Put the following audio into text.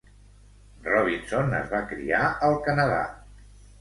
Robinson es va criar al Canadà.